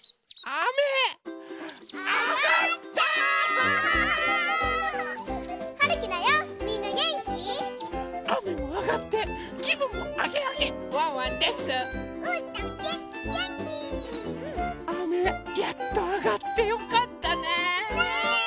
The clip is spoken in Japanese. あめやっとあがってよかったね。ね！